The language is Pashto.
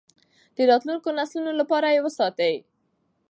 د راتلونکو نسلونو لپاره یې وساتئ.